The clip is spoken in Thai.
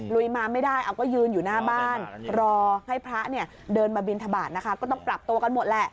ลุยมาไม่ได้เอาก็ยืนอยู่หน้าบ้านรอให้พระเนี่ยเดินมาบินทบาทนะคะก็ต้องปรับตัวกันหมดแหละ